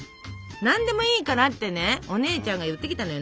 「何でもいいから」ってねお姉ちゃんが言ってきたのよ。